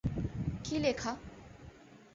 কী লেখা?